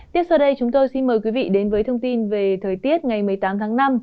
tiếp sau đây chúng tôi xin mời quý vị đến với thông tin về thời tiết ngày một mươi tám tháng năm